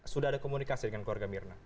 sudah ada komunikasi dengan keluarga mirna